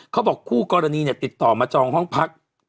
เขาบอกคู่กรณีติดต่อมาจองห้องพัก